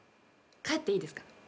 帰っていいですか？